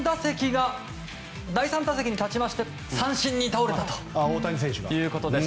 第３打席に立ちまして三振に倒れたということです。